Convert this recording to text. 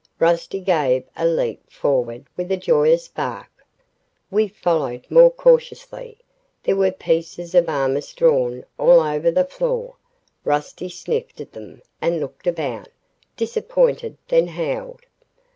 Rusty gave a leap forward with a joyous bark. We followed, more cautiously. There were pieces of armor strewn all over the floor. Rusty sniffed at them and looked about, disappointed, then howled.